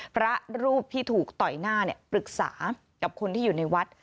พระรูปที่ถูกต่อยหน้าปรึกษากับคนที่อยู่ในวัด